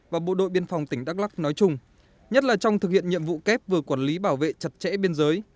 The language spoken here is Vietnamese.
và bộ đội biên phòng tỉnh đắk lắc nói chung nhất là trong thực hiện nhiệm vụ kép vừa quản lý bảo vệ chặt chẽ biên giới